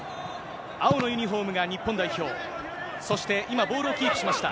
青のユニホームが日本代表、そして今、ボールをキープしました。